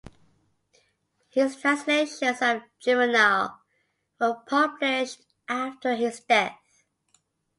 His translations of Juvenal were published after his death.